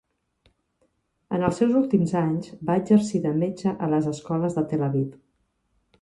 En els seus últims anys va exercir de metge a les escoles de Tel Aviv.